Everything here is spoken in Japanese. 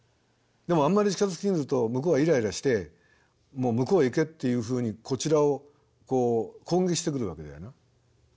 でもあんまり近づき過ぎると向こうはイライラしてもう向こうへ行けっていうふうにこちらを攻撃してくるわけだよな。